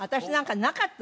なかった！